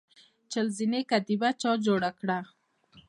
چهل زینې کتیبه چا جوړه کړه؟